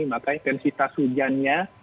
maka intensitas hujannya